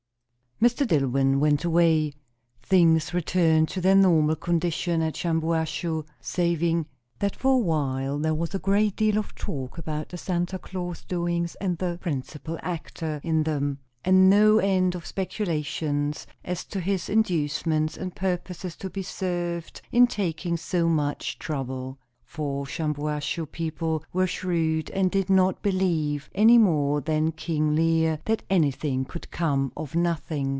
Mr. Dillwyn went away. Things returned to their normal condition at Shampuashuh, saving that for a while there was a great deal of talk about the Santa Clans doings and the principal actor in them, and no end of speculations as to his inducements and purposes to be served in taking so much trouble. For Shampuashuh people were shrewd, and did not believe, any more than King Lear, that anything could come of nothing.